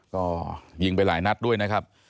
ก็ยิงไปหลายนัดด้วยนะครับ